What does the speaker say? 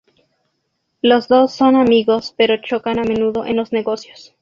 Los dos son amigos pero chocan a menudo en los negocios.